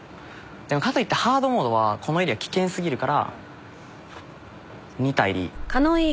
でもかといってハードモードはこのエリア危険過ぎるから２体でいい。